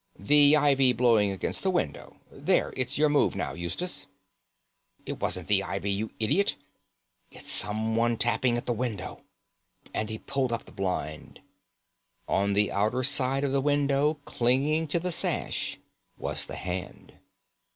"The ivy blowing against the window. There, it's your move now, Eustace." "It wasn't the ivy, you idiot. It was someone tapping at the window," and he pulled up the blind. On the outer side of the window, clinging to the sash, was the hand.